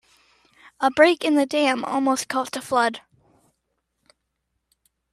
A break in the dam almost caused a flood.